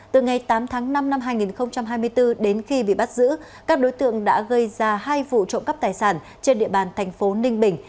từ ngày tám tháng năm năm hai nghìn hai mươi bốn đến khi bị bắt giữ các đối tượng đã gây ra hai vụ trộm cắp tài sản trên địa bàn thành phố ninh bình